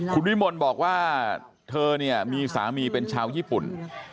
คุณวิมลบอกว่าเธอเนี่ยมีสามีเป็นชาวญี่ปุ่น